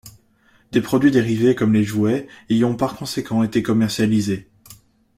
Des produits dérivés comme les jouets y ont par conséquent été commercialisés.